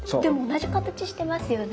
同じ形してますよね。